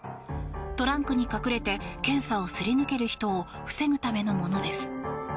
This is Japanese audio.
トランクに隠れて検査をすり抜ける人を防ぐためのものです。